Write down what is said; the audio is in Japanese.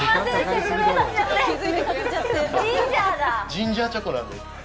ジンジャーチョコなんです。